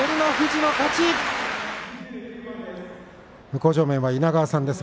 向正面は稲川さんです。